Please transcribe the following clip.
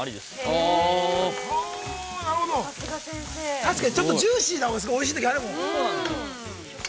◆確かに、ちょっとジューシーなほうがおいしいときあるもん。